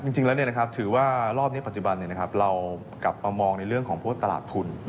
จริงแล้วถือว่ารอบนี้ปัจจุบันเรากลับมามองในเรื่องของพวกตลาดทุน